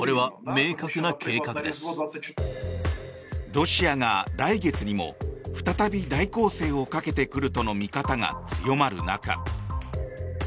ロシアが来月にも再び大攻勢をかけてくるとの見方が強まる中